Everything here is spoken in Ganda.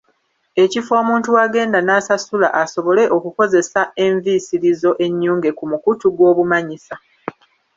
Ekifo omuntu w'agenda n’asasula asobole okukozesa enviisirizo ennyunge ku mukutu gw’obumanyisa.